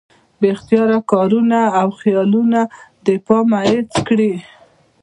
بې اختياره کارونه او خيالونه د پامه هېڅ کړي